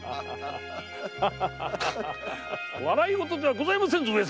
笑いごとではございませぬぞ！